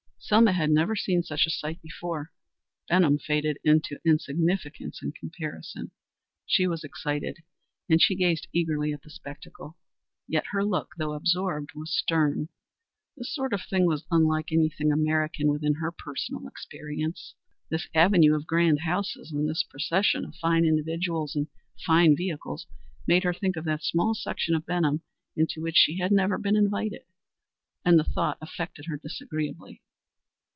Selma had never seen such a sight before. Benham faded into insignificance in comparison. She was excited, and she gazed eagerly at the spectacle. Yet her look, though absorbed, was stern. This sort of thing was unlike anything American within her personal experience. This avenue of grand houses and this procession of fine individuals and fine vehicles made her think of that small section of Benham into which she had never been invited, and the thought affected her disagreeably.